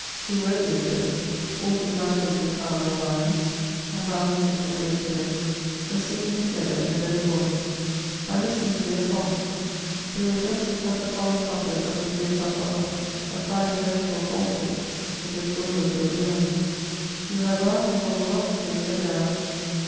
Two rope makers, walking backwards in parallel lines^ and balancing from leg to leg, were singing together in a low voice. I listened to their song ; they were just at the following couplet of the Vieux Caporal; a tine poetical Msehood, which has brought us where we are :— Qui Vk'haa sanglotte et regarde